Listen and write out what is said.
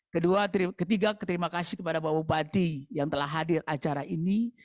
ketiga terima kasih kepada bapak bupati yang telah hadir acara ini